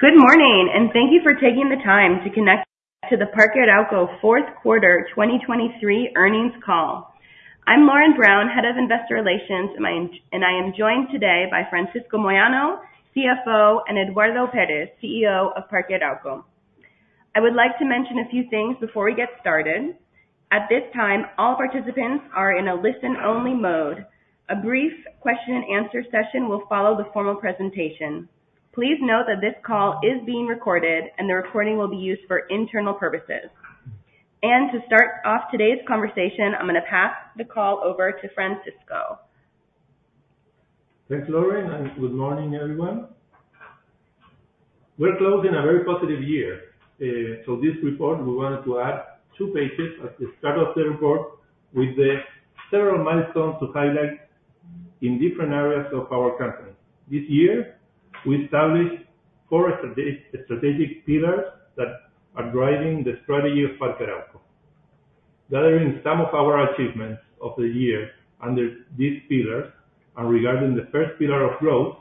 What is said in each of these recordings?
Good morning and thank you for taking the time to connect to the Parque Arauco fourth quarter 2023 earnings call. I'm Lauren Brown, Head of Investor Relations, and I am joined today by Francisco Moyano, CFO, and Eduardo Pérez, CEO of Parque Arauco. I would like to mention a few things before we get started. At this time, all participants are in a listen-only mode. A brief question-and-answer session will follow the formal presentation. Please note that this call is being recorded and the recording will be used for internal purposes. To start off today's conversation, I'm gonna pass the call over to Francisco. Thanks, Lauren, and good morning, everyone. We're closing a very positive year. This report, we wanted to add two pages at the start of the report with the several milestones to highlight in different areas of our company. This year, we established four strategic pillars that are driving the strategy of Parque Arauco. Gathering some of our achievements of the year under these pillars and regarding the first pillar of growth,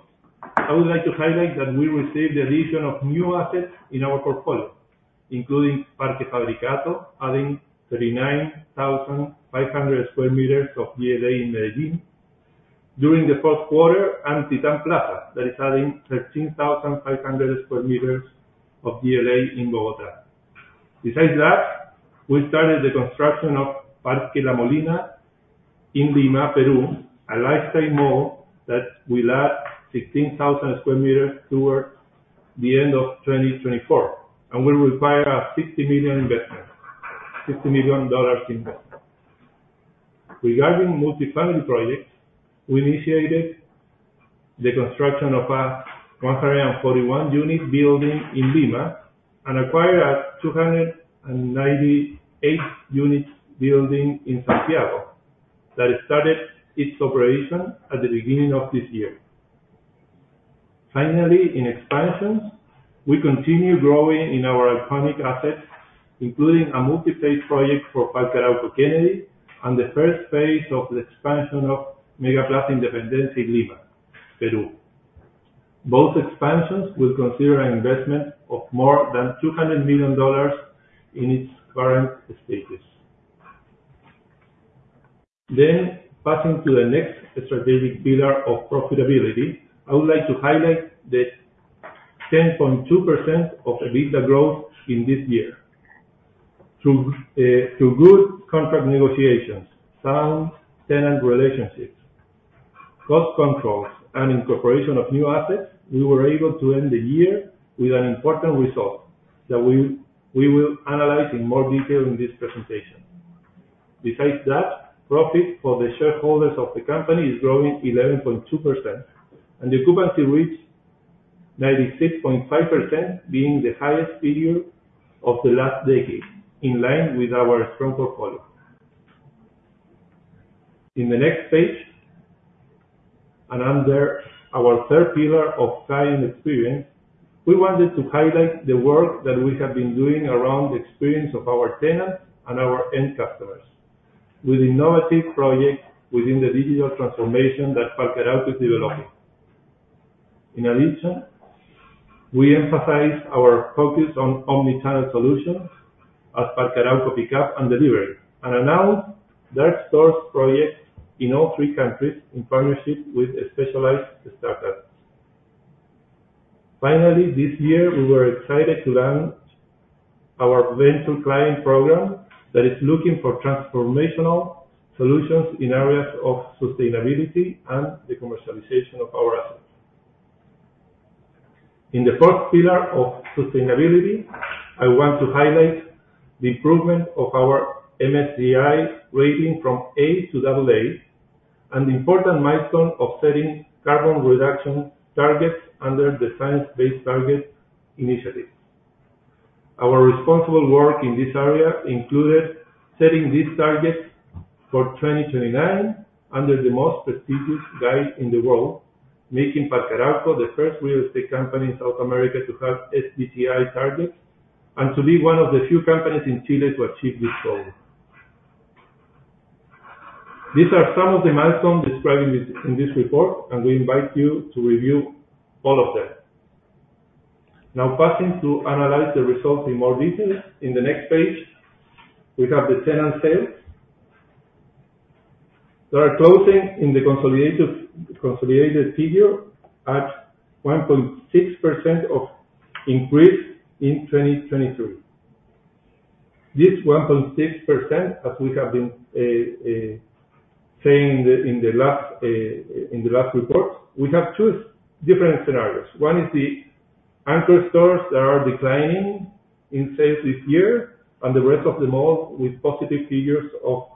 I would like to highlight that we received the addition of new assets in our portfolio, including Parque Fabricato, adding 39,500 square meters of GLA in Medellín. During the fourth quarter and Titán Plaza, that is adding 13,500 square meters of GLA in Bogotá. Besides that, we started the construction of Parque La Molina in Lima, Peru, a lifestyle mall that will add 16,000 square meters toward the end of 2024, and will require a $60 million investment, $60 million investment. Regarding multifamily projects, we initiated the construction of a 141-unit building in Lima and acquired a 298-unit building in Santiago that started its operation at the beginning of this year. Finally, in expansions, we continue growing in our iconic assets, including a multi-phase project for Parque Arauco Kennedy and the first phase of the expansion of MegaPlaza Independencia in Lima, Peru. Both expansions will consider an investment of more than $200 million in its current stages. Passing to the next strategic pillar of profitability, I would like to highlight the 10.2% of EBITDA growth in this year. Through good contract negotiations, sound tenant relationships, cost controls, and incorporation of new assets, we were able to end the year with an important result that we will analyze in more detail in this presentation. Besides that, profit for the shareholders of the company is growing 11.2%, and the occupancy reached 96.5%, being the highest figure of the last decade, in line with our strong portfolio. In the next page, under our third pillar of client experience, we wanted to highlight the work that we have been doing around the experience of our tenants and our end customers with innovative projects within the digital transformation that Parque Arauco is developing. In addition, we emphasize our focus on omnichannel solutions at Arauco Pick Up and Delivery, and announce dark stores projects in all three countries in partnership with specialized startups. Finally, this year, we were excited to launch our venture client program that is looking for transformational solutions in areas of sustainability and the commercialization of our assets. In the fourth pillar of sustainability, I want to highlight the improvement of our MSCI rating from A to double A, an important milestone of setting carbon reduction targets under the Science Based Targets initiative. Our responsible work in this area included setting these targets for 2029 under the most prestigious guide in the world, making Parque Arauco the first real estate company in South America to have SBTi targets and to be one of the few companies in Chile to achieve this goal. These are some of the milestones described in this report, and we invite you to review all of them. Now, passing to analyze the results in more detail. In the next page, we have the tenant sales. They are closing in the consolidated figure at 1.6% increase in 2023. This 1.6%, as we have been saying in the last report, we have two different scenarios. One is the anchor stores that are declining in sales this year and the rest of the malls with positive figures of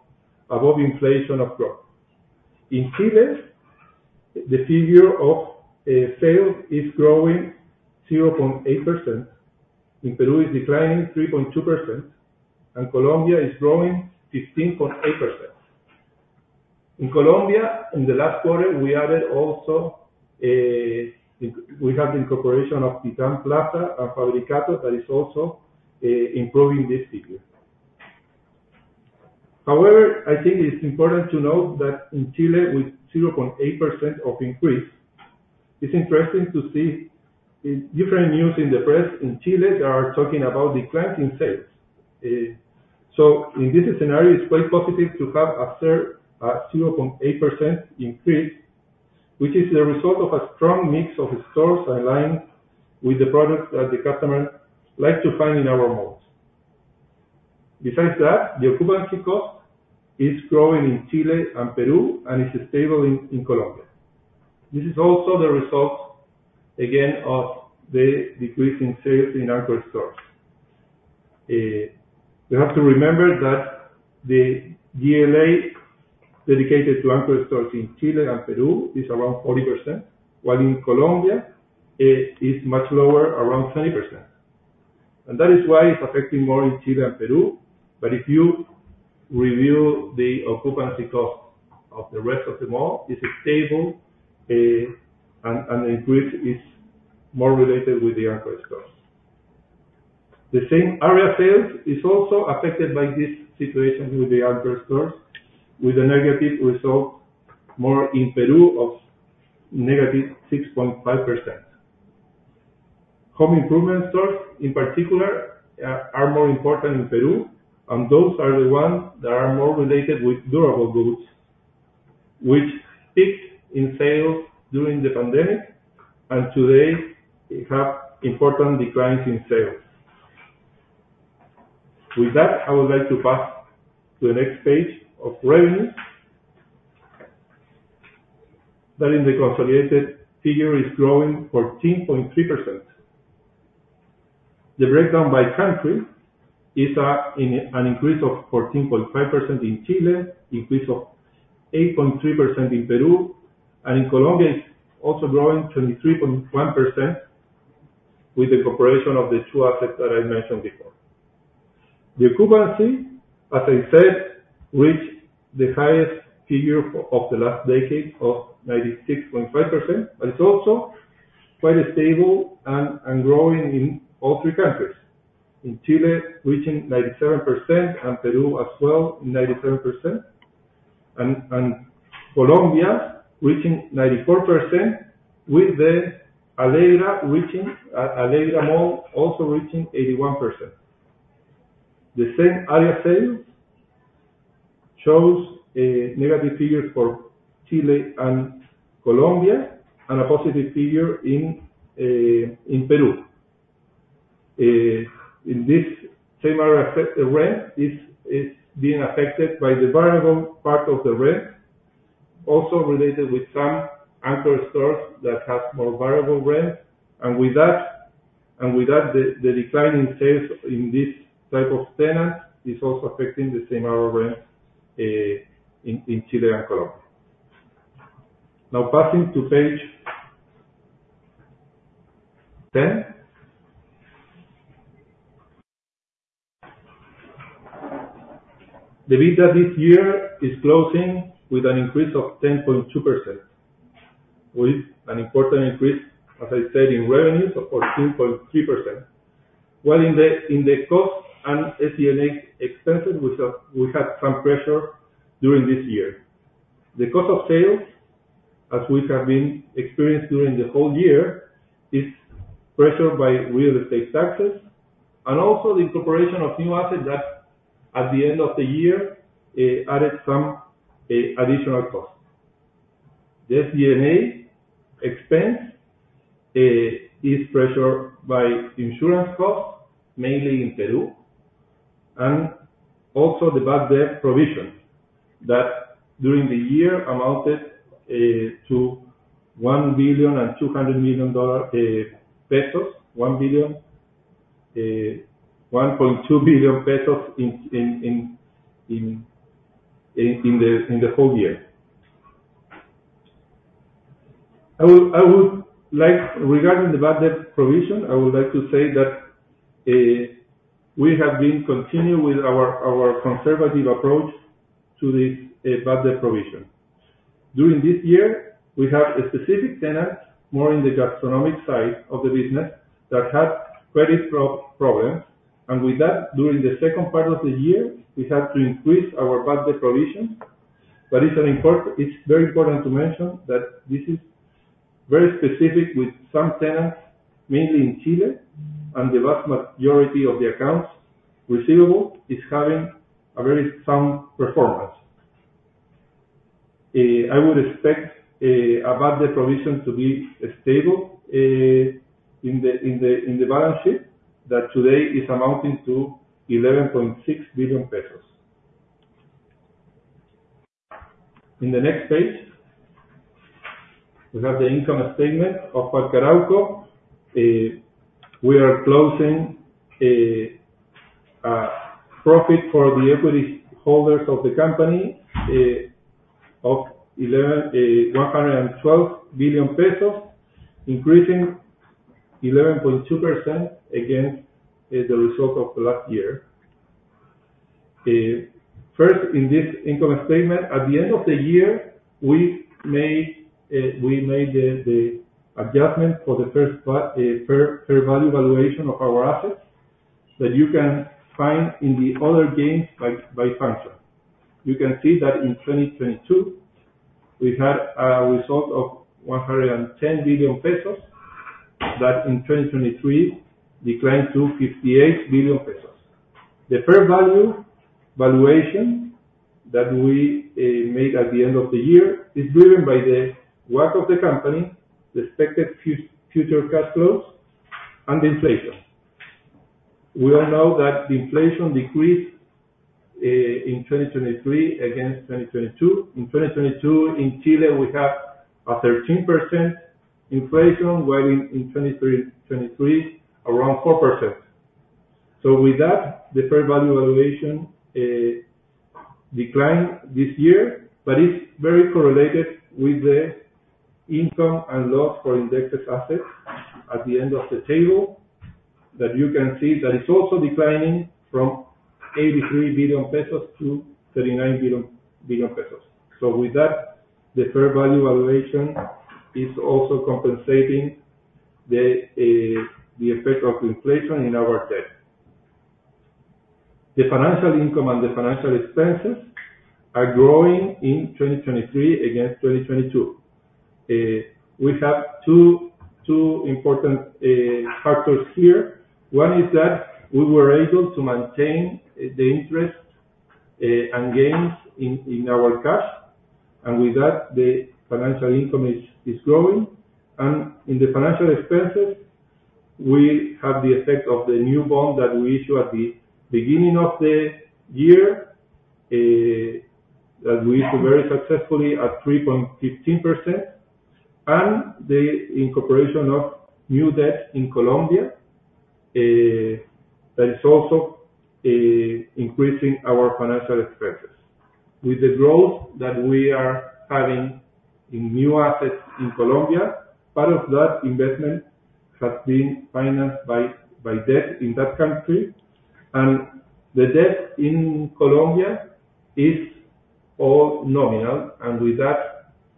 above inflation of growth. In Chile, the figure of sales is growing 0.8%. In Peru, it's declining 3.2%, and Colombia is growing 15.8%. In Colombia, in the last quarter, we added also, we have the incorporation of Titán Plaza and Fabricato that is also improving this figure. However, I think it's important to note that in Chile, with 0.8% increase, it's interesting to see different news in the press in Chile, they are talking about decline in sales. So in this scenario, it's quite positive to have a 0.8% increase, which is the result of a strong mix of stores aligned with the products that the customers like to find in our malls. Besides that, the occupancy cost is growing in Chile and Peru, and it's stable in Colombia. This is also the result, again, of the decrease in sales in anchor stores. You have to remember that the GLA dedicated to anchor stores in Chile and Peru is around 40%, while in Colombia it is much lower, around 20%. That is why it's affecting more in Chile and Peru. If you review the occupancy cost of the rest of the mall, it's stable, and the increase is more related with the anchor stores. The same area sales is also affected by this situation with the anchor stores, with a negative result more in Peru of -6.5%. Home improvement stores, in particular, are more important in Peru, and those are the ones that are more related with durable goods, which peaked in sales during the pandemic, and today have important declines in sales. With that, I would like to pass to the next page of revenues. That in the consolidated figure is growing 14.3%. The breakdown by country is an increase of 14.5% in Chile, increase of 8.3% in Peru, and in Colombia it's also growing 23.1% with the contribution of the two assets that I mentioned before. The occupancy, as I said, reached the highest figure of the last decade of 96.5%. It's also quite stable and growing in all three countries. In Chile, reaching 97%, and Peru as well, 97%, and Colombia reaching 94%, with Parque Alegra also reaching 81%. The same area sales shows a negative figure for Chile and Colombia, and a positive figure in Peru. In this same area rent is being affected by the variable part of the rent, also related with some anchor stores that have more variable rent. With that, the decline in sales in this type of tenant is also affecting the same area rent in Chile and Colombia. Now passing to page ten. The EBITDA this year is closing with an increase of 10.2%, with an important increase, as I said, in revenues of 14.3%. While in the cost and SG&A expenses, we had some pressure during this year. The cost of sales, as we have been experienced during the whole year, is pressured by real estate taxes and also the incorporation of new assets that at the end of the year added some additional costs. The SG&A expense is pressured by insurance costs, mainly in Peru, and also the bad debt provision that during the year amounted to CLP 1.2 billion in the whole year. Regarding the bad debt provision, I would like to say that we have been continuing with our conservative approach to this bad debt provision. During this year, we have a specific tenant, more in the gastronomic side of the business, that had credit problems. With that, during the second part of the year, we had to increase our bad debt provision. It's very important to mention that this is very specific with some tenants, mainly in Chile, and the vast majority of the accounts receivable is having a very sound performance. I would expect a bad debt provision to be stable in the balance sheet that today is amounting to 11.6 billion pesos. In the next page, we have the income statement of Parque Arauco. We are closing profit for the equity holders of the company of CLP 112 billion, increasing 11.2% against the result of the last year. First, in this income statement, at the end of the year, we made the adjustment for the fair value valuation of our assets that you can find in the other gains by function. You can see that in 2022 we had a result of 110 billion pesos, that in 2023 declined to 58 billion pesos. The fair value valuation that we made at the end of the year is driven by the work of the company, the expected future cash flows, and inflation. We all know that the inflation decreased in 2023 against 2022. In 2022, in Chile, we have a 13% inflation, while in 2023, around 4%. With that, the fair value valuation declined this year, but it's very correlated with the income and loss for indexed assets at the end of the table that you can see that it's also declining from 83 billion-39 billion pesos. With that, the fair value valuation is also compensating the effect of inflation in our debt. The financial income and the financial expenses are growing in 2023 against 2022. We have two important factors here. One is that we were able to maintain the interest and gains in our cash, and with that, the financial income is growing. In the financial expenses, we have the effect of the new bond that we issued at the beginning of the year, that we issued very successfully at 3.15%, and the incorporation of new debt in Colombia, that is also increasing our financial expenses. With the growth that we are having in new assets in Colombia, part of that investment has been financed by debt in that country. The debt in Colombia is all nominal, and with that,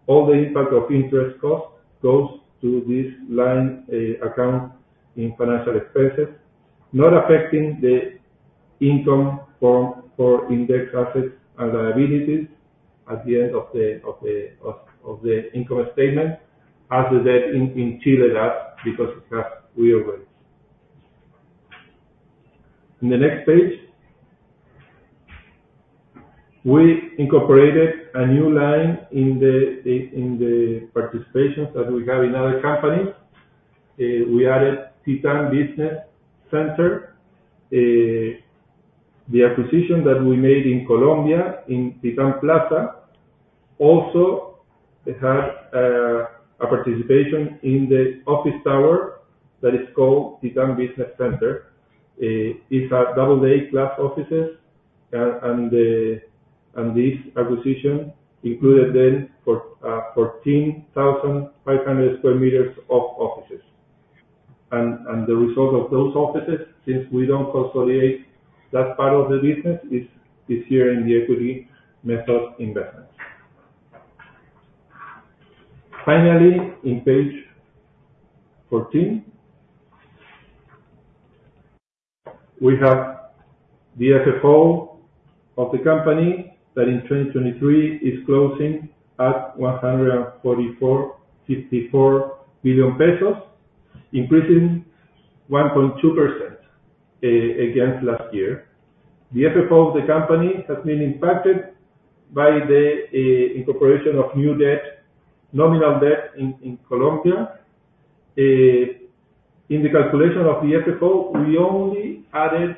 all the impact of interest cost goes to this line account in financial expenses, not affecting the income for indexed assets and liabilities at the end of the income statement as the debt in Chile does because it has real rates. In the next page, we incorporated a new line in the participations that we have in other companies. We added Centro Empresarial Titán Plaza. The acquisition that we made in Colombia in Titán Plaza also had a participation in the office tower that is called Centro Empresarial Titán Plaza. It has double-A class offices, and this acquisition included 14,500 square meters of offices. The result of those offices, since we don't consolidate that part of the business, is here in the equity method investment. Finally, in page 14, we have the FFO of the company that in 2023 is closing at 144.54 billion pesos, increasing 1.2% against last year. The FFO of the company has been impacted by the incorporation of new debt, nominal debt in Colombia. In the calculation of the FFO, we only add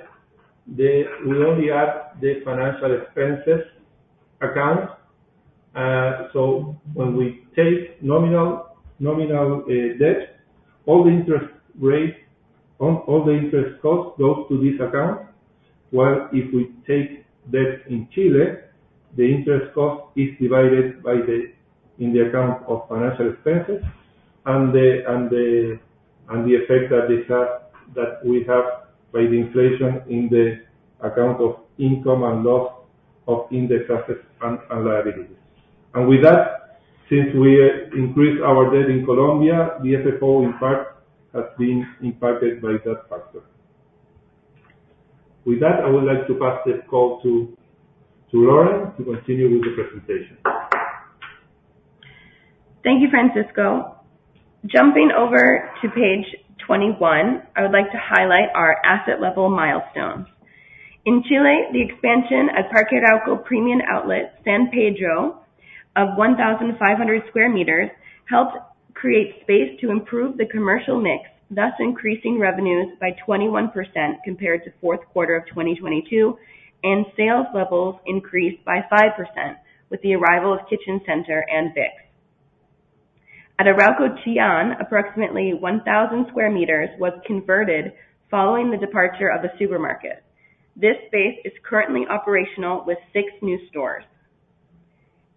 the financial expenses account. So when we take nominal debt, all the interest cost goes to this account. While if we take debt in Chile, the interest cost is divided in the account of financial expenses and the effect that we have by the inflation in the account of income and loss of indexed assets and liabilities. With that, since we increased our debt in Colombia, the FFO in part has been impacted by that factor. With that, I would like to pass the call to Lauren to continue with the presentation. Thank you, Francisco. Jumping over to page 21, I would like to highlight our asset level milestones. In Chile, the expansion at Arauco Premium Outlet San Pedro of 1,500 square meters helped create space to improve the commercial mix, thus increasing revenues by 21% compared to fourth quarter of 2022, and sales levels increased by 5% with the arrival of Kitchen Center and Bix. At Mall Arauco Chillán, approximately 1,000 square meters was converted following the departure of a supermarket. This space is currently operational with six new stores.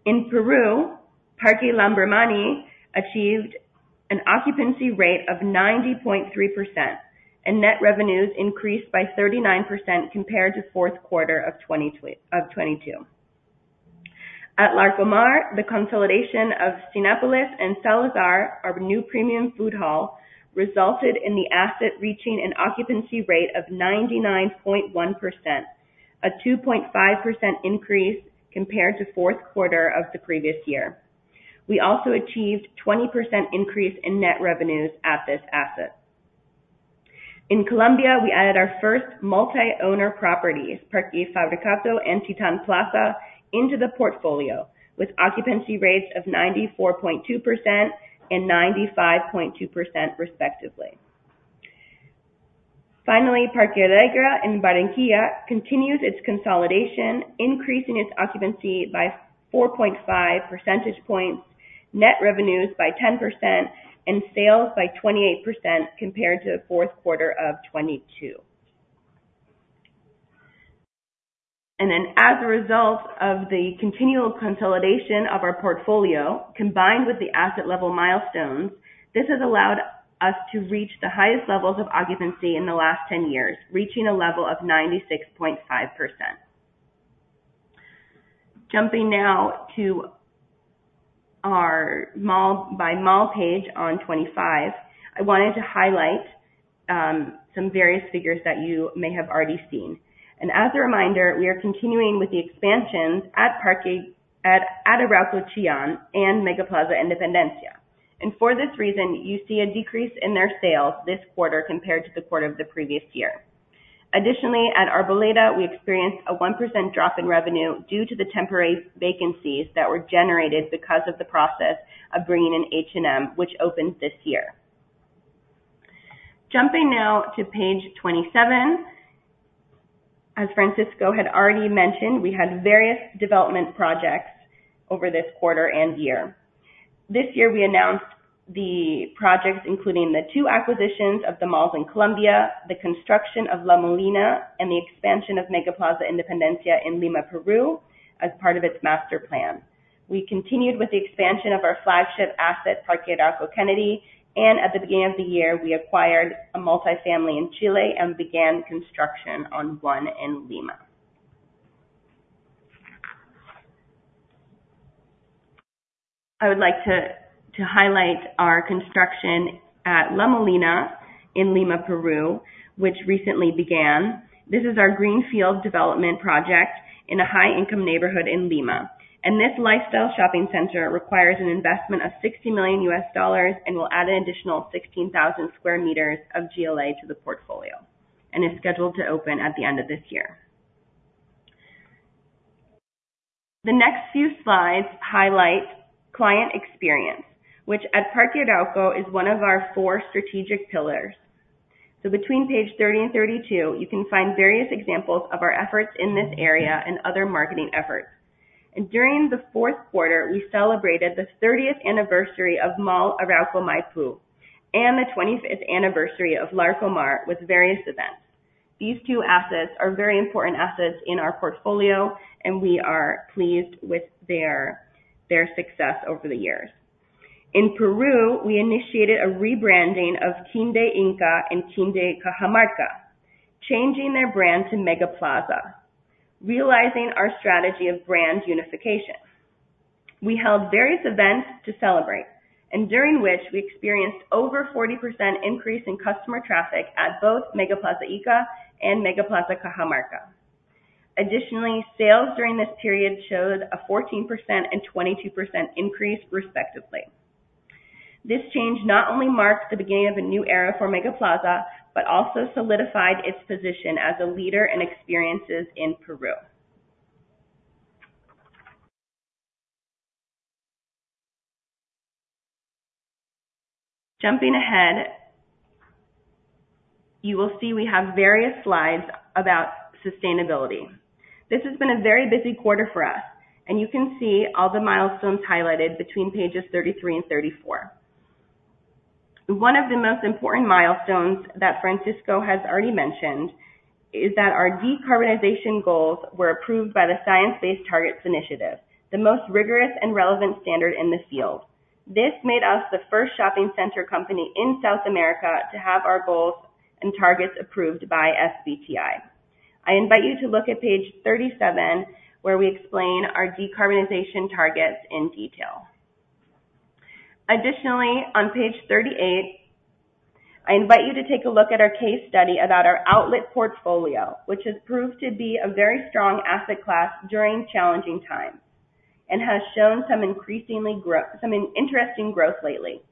In Peru, Parque Lambramani achieved an occupancy rate of 90.3%, and net revenues increased by 39% compared to fourth quarter of 2022. At Larcomar, the consolidation of Cinépolis and Salazar, our new premium food hall, resulted in the asset reaching an occupancy rate of 99.1%. A 2.5% increase compared to fourth quarter of the previous year. We also achieved 20% increase in net revenues at this asset. In Colombia, we added our first multi-owner properties, Parque Fabricato and Titán Plaza, into the portfolio with occupancy rates of 94.2% and 95.2% respectively. Finally, Parque Alegra in Barranquilla continues its consolidation, increasing its occupancy by 4.5 percentage points, net revenues by 10% and sales by 28% compared to the fourth quarter of 2022. As a result of the continual consolidation of our portfolio, combined with the asset level milestones, this has allowed us to reach the highest levels of occupancy in the last 10 years, reaching a level of 96.5%. Jumping now to our mall by mall page on 25. I wanted to highlight some various figures that you may have already seen. As a reminder, we are continuing with the expansions at Arauco Chillán and MegaPlaza Independencia. For this reason, you see a decrease in their sales this quarter compared to the quarter of the previous year. Additionally, at Arboleda, we experienced a 1% drop in revenue due to the temporary vacancies that were generated because of the process of bringing in H&M, which opens this year. Jumping now to page 27. As Francisco had already mentioned, we had various development projects over this quarter and year. This year we announced the projects, including the two acquisitions of the malls in Colombia, the construction of Parque La Molina, and the expansion of MegaPlaza Independencia in Lima, Peru, as part of its master plan. We continued with the expansion of our flagship asset, Parque Arauco Kennedy, and at the beginning of the year, we acquired a multifamily in Chile and began construction on one in Lima. I would like to highlight our construction at Parque La Molina in Lima, Peru, which recently began. This is our greenfield development project in a high-income neighborhood in Lima. This lifestyle shopping center requires an investment of $60 million and will add an additional 16,000 square meters of GLA to the portfolio, and is scheduled to open at the end of this year. The next few slides highlight client experience, which at Parque Arauco is one of our four strategic pillars. Between page 30 and 32, you can find various examples of our efforts in this area and other marketing efforts. During the fourth quarter, we celebrated the 30th anniversary of Mall Arauco Maipú and the 25th anniversary of Larcomar with various events. These two assets are very important assets in our portfolio, and we are pleased with their success over the years. In Peru, we initiated a rebranding of Quinde Ica and Quinde Cajamarca, changing their brand to MegaPlaza, realizing our strategy of brand unification. We held various events to celebrate, and during which we experienced over 40% increase in customer traffic at both MegaPlaza Ica and MegaPlaza Cajamarca. Additionally, sales during this period showed a 14% and 22% increase, respectively. This change not only marks the beginning of a new era for MegaPlaza, but also solidified its position as a leader in experiences in Peru. Jumping ahead, you will see we have various slides about sustainability. This has been a very busy quarter for us and you can see all the milestones highlighted between pages 33 and 34. One of the most important milestones that Francisco has already mentioned is that our decarbonization goals were approved by the Science Based Targets initiative, the most rigorous and relevant standard in the field. This made us the first shopping center company in South America to have our goals and targets approved by SBTi. I invite you to look at page 37, where we explain our decarbonization targets in detail. Additionally, on page 38, I invite you to take a look at our case study about our outlet portfolio, which has proved to be a very strong asset class during challenging times, and has shown some interesting growth lately.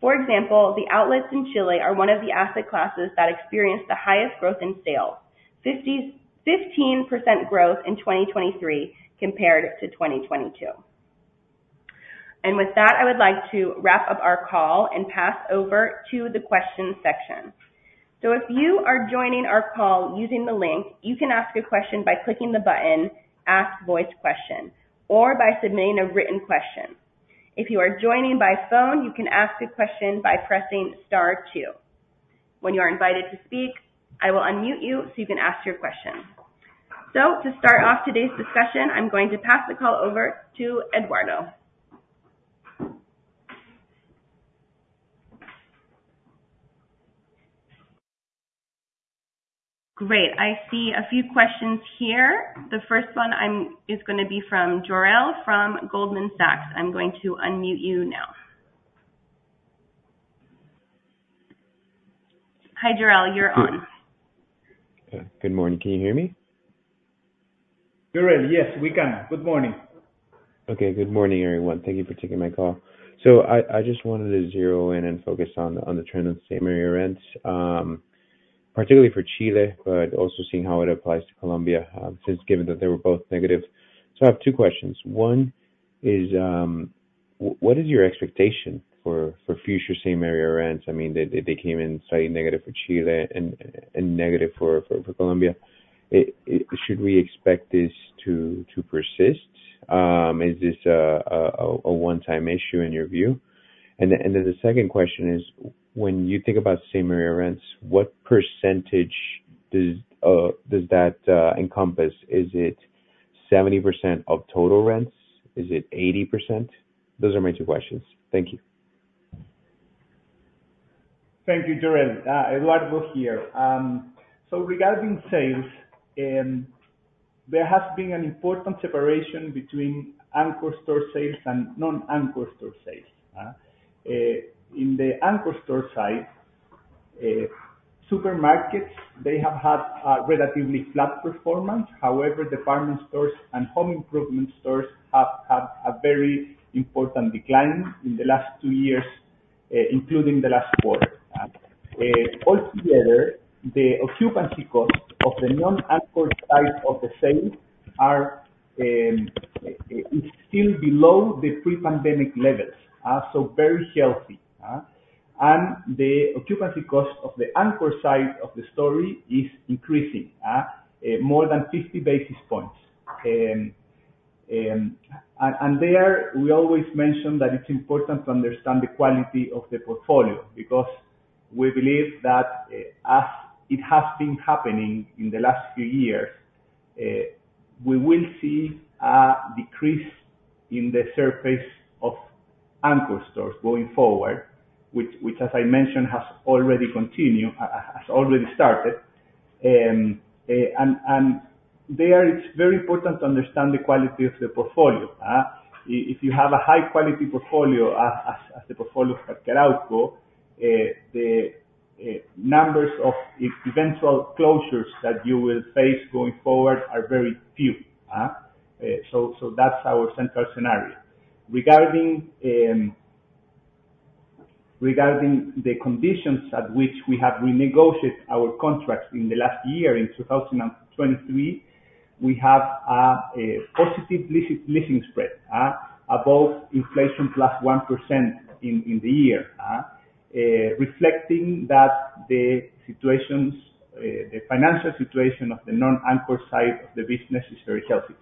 For example, the outlets in Chile are one of the asset classes that experienced the highest growth in sales. 15% growth in 2023 compared to 2022. With that, I would like to wrap up our call and pass over to the questions section. If you are joining our call using the link, you can ask a question by clicking the button, Ask Voice Question or by submitting a written question. If you are joining by phone, you can ask a question by pressing star two. When you are invited to speak, I will unmute you so you can ask your question. To start off today's discussion, I'm going to pass the call over to Eduardo. Great. I see a few questions here. The first one is gonna be from Jorel from Goldman Sachs. I'm going to unmute you now. Hi, Jorel, you're on. Good morning. Can you hear me? We're ready. Yes, we can. Good morning. Okay. Good morning, everyone. Thank you for taking my call. I just wanted to zero in and focus on the trend on same area rents, particularly for Chile, but also seeing how it applies to Colombia, since given that they were both negative. I have two questions. One is, what is your expectation for future same area rents? I mean, they came in slightly negative for Chile and negative for Colombia. Should we expect this to persist? Is this a one-time issue in your view? And then the second question is, when you think about same area rents, what percentage does that encompass? Is it 70% of total rents? Is it 80%? Those are my two questions. Thank you. Thank you, Jorel. Eduardo here. Regarding sales, there has been an important separation between anchor store sales and non-anchor store sales. In the anchor store side, supermarkets, they have had a relatively flat performance. However, department stores and home improvement stores have had a very important decline in the last two years, including the last quarter. Altogether, the occupancy cost of the non-anchor side of the sales are still below the pre-pandemic levels. So very healthy. The occupancy cost of the anchor side of the stores is increasing more than 50 basis points. There we always mention that it's important to understand the quality of the portfolio because we believe that, as it has been happening in the last few years, we will see a decrease in the surface of anchor stores going forward, which, as I mentioned, has already started. There it's very important to understand the quality of the portfolio. If you have a high quality portfolio as the portfolio of Caracolí, the numbers of eventual closures that you will face going forward are very few. That's our central scenario. Regarding the conditions at which we have renegotiated our contracts in the last year, in 2023, we have a positive leasing spread above inflation plus 1% in the year. Reflecting that the financial situation of the non-anchor side of the business is very healthy.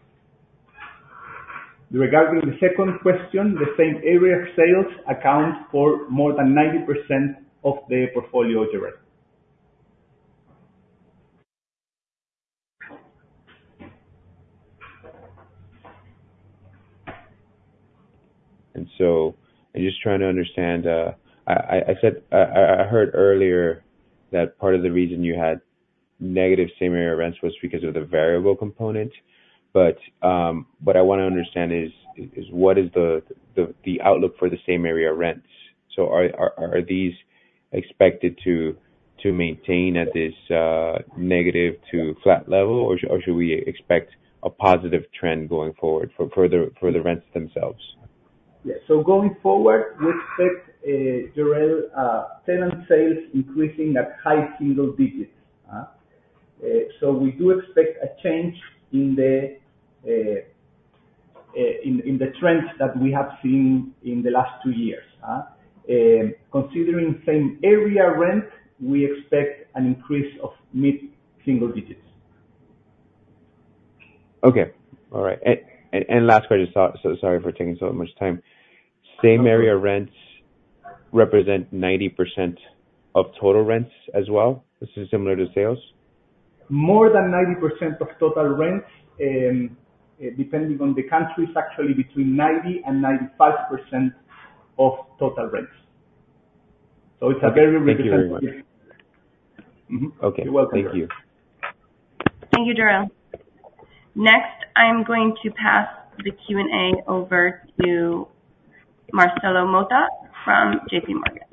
Regarding the second question, the same area of sales account for more than 90% of the portfolio direct. I'm just trying to understand. I said I heard earlier that part of the reason you had negative same area rents was because of the variable component. What I wanna understand is what is the outlook for the same area rents. Are these expected to maintain at this negative to flat level? Should we expect a positive trend going forward for the rents themselves? Going forward, we expect, Jorel, tenant sales increasing at high single digits. We do expect a change in the trends that we have seen in the last two years. Considering same area rent, we expect an increase of mid-single digits. Okay. All right. Last question. Sorry for taking so much time. Same area rents represent 90% of total rents as well? This is similar to sales? More than 90% of total rents. Depending on the countries, actually between 90% and 95% of total rents. It's a very representative. Thank you very much. Mm-hmm. Okay. You're welcome. Thank you. Thank you, Jorel. Next, I'm going to pass the Q&A over to Marcelo Motta from JPMorgan.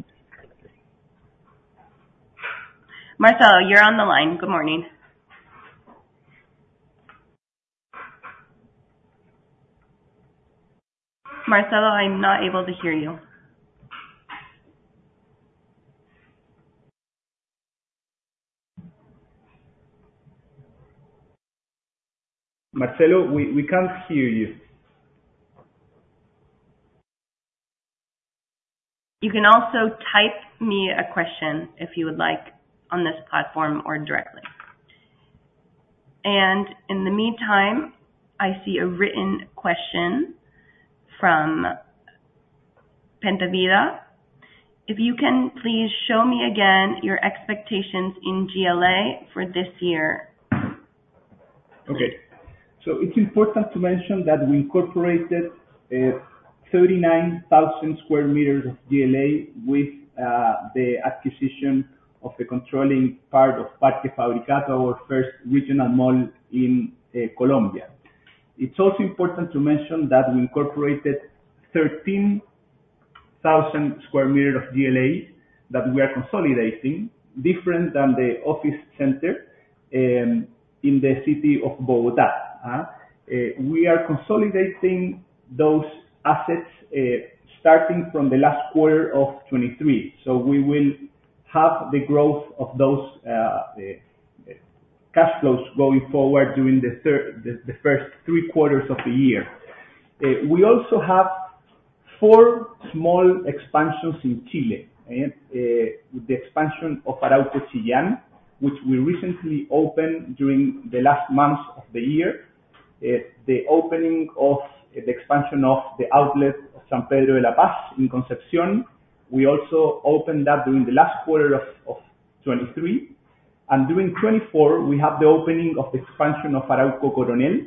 Marcelo, you're on the line. Good morning. Marcelo, I'm not able to hear you. Marcelo, we can't hear you. You can also type me a question if you would like on this platform or directly. In the meantime, I see a written question from Penta Vida. If you can please show me again your expectations in GLA for this year? It's important to mention that we incorporated 39,000 square meters of GLA with the acquisition of the controlling part of Parque Fabricato, our first regional mall in Colombia. It's also important to mention that we incorporated 13,000 square meters of GLA that we are consolidating, different than the office center, in the city of Bogotá. We are consolidating those assets starting from the last quarter of 2023. We will have the growth of those cash flows going forward during the first three quarters of the year. We also have four small expansions in Chile. The expansion of Arauco Chillán, which we recently opened during the last months of the year. The opening of. The expansion of the outlet of San Pedro de la Paz in Concepción, we also opened that during the last quarter of 2023. During 2024, we have the opening of the expansion of Arauco Coronel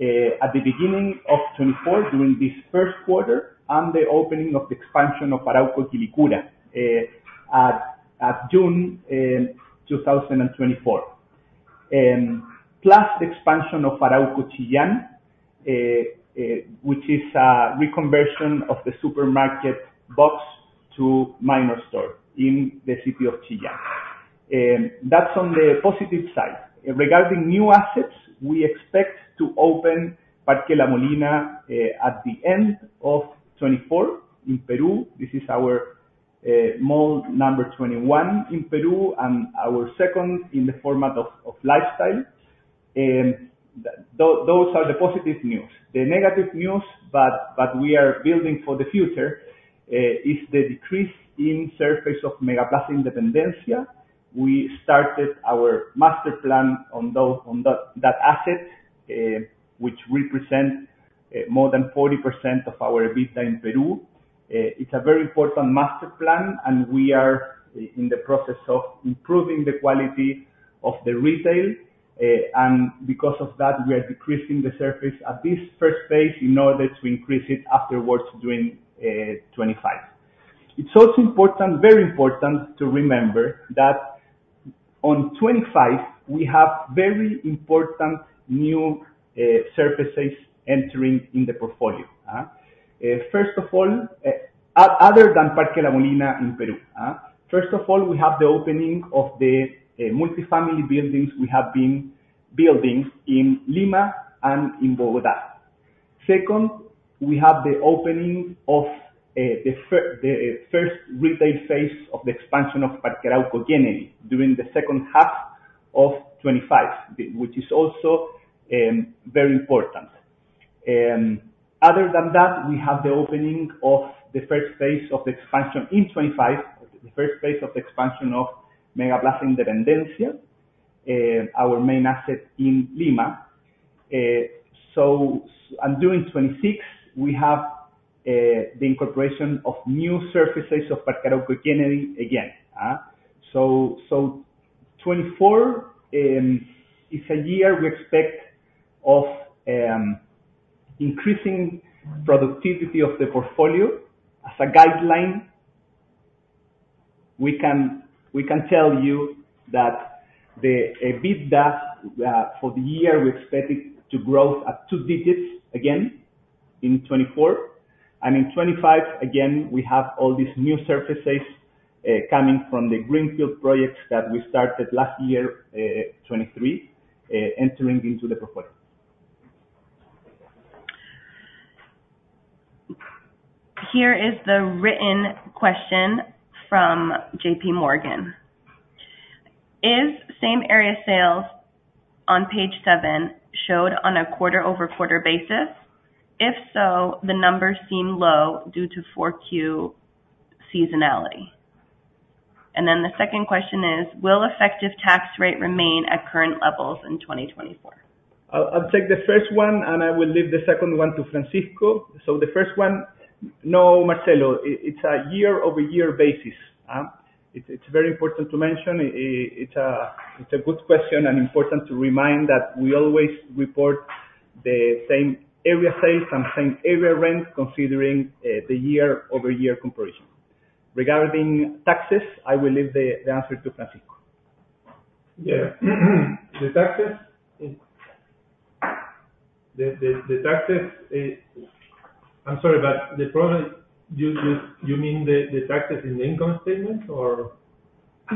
at the beginning of 2024, during this first quarter, and the opening of the expansion of Arauco Quilicura at June 2024. Plus the expansion of Arauco Chillán, which is a reconversion of the supermarket box to minor store in the city of Chillán. That's on the positive side. Regarding new assets, we expect to open Parque La Molina at the end of 2024 in Peru. This is our mall number 21 in Peru, and our second in the format of lifestyle. Those are the positive news. The negative news we are building for the future is the decrease in surface of MegaPlaza Independencia. We started our master plan on that asset which represents more than 40% of our EBITDA in Peru. It's a very important master plan, and we are in the process of improving the quality of the retail. Because of that, we are decreasing the surface at this first phase in order to increase it afterwards during 2025. It's also important, very important, to remember that on 2025 we have very important new surfaces entering in the portfolio. First of all, other than Parque La Molina in Peru. First of all, we have the opening of the multifamily buildings we have been building in Lima and in Bogotá. Second, we have the opening of the first retail phase of the expansion of Parque Arauco Kennedy during the second half of 2025, which is also very important. Other than that, we have the opening of the first phase of the expansion in 2025, the first phase of the expansion of MegaPlaza Independencia, our main asset in Lima. During 2026, we have the incorporation of new surfaces of Parque Arauco Kennedy again. 2024 is a year we expect of increasing productivity of the portfolio. As a guideline, we can tell you that EBITDA for the year, we expect it to grow at two digits again in 2024. In 2025, again, we have all these new surfaces coming from the greenfield projects that we started last year, 2023, entering into the portfolio. Here is the written question from JPMorgan. Is same area sales on page seven shown on a quarter-over-quarter basis? If so, the numbers seem low due to 4Q seasonality. The second question is, will effective tax rate remain at current levels in 2024? I'll take the first one, and I will leave the second one to Francisco. The first one, no, Marcelo, it's a year-over-year basis. It's very important to mention. It's a good question, and important to remind that we always report the same area sales and same area rent considering the year-over-year comparison. Regarding taxes, I will leave the answer to Francisco. Yeah. The taxes. You mean the taxes in the income statement or?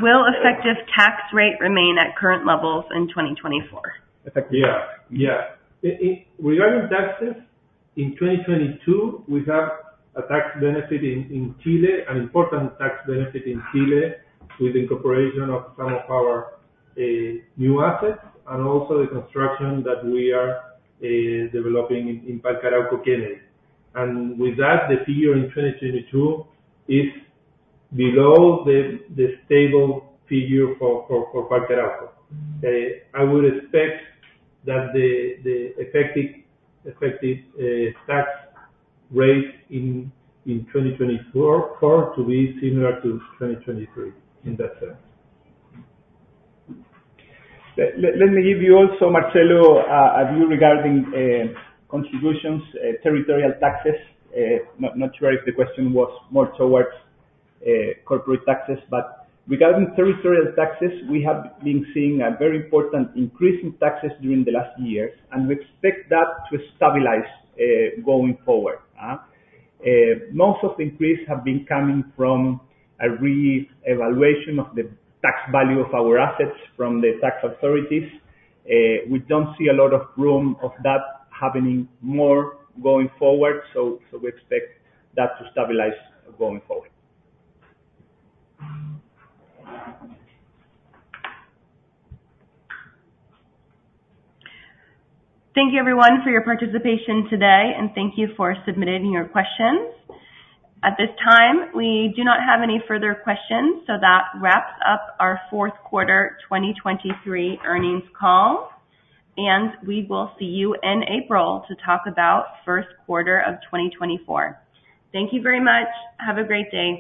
Will effective tax rate remain at current levels in 2024? Effective tax. Regarding taxes, in 2022 we have a tax benefit in Chile, an important tax benefit in Chile with the incorporation of some of our new assets, and also the construction that we are developing in Parque Arauco Kennedy. With that, the figure in 2022 is below the stable figure for Parque Arauco. I would expect that the effective tax rate in 2024 for to be similar to 2023 in that sense. Let me give you also, Marcelo, a view regarding contributions, territorial taxes. Not sure if the question was more towards corporate taxes. Regarding territorial taxes, we have been seeing a very important increase in taxes during the last years, and we expect that to stabilize going forward? Most of the increase have been coming from a re-evaluation of the tax value of our assets from the tax authorities. We don't see a lot of room of that happening more going forward, so we expect that to stabilize going forward. Thank you everyone for your participation today, and thank you for submitting your questions. At this time, we do not have any further questions, so that wraps up our fourth quarter 2023 earnings call, and we will see you in April to talk about first quarter of 2024. Thank you very much. Have a great day.